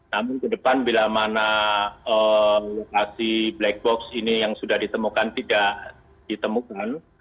namun ke depan bila mana lokasi black box ini yang sudah ditemukan tidak ditemukan